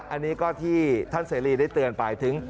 อันนี้ก็ที่ท่านเสรีได้เตือนไปถึง